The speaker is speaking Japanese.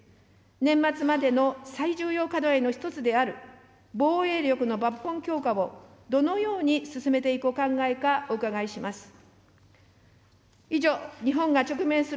年末までの最重要課題の一つである防衛力の抜本強化をどのように進めていくお考えか、お伺いします。